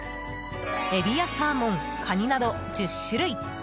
エビやサーモン、カニなど１０種類。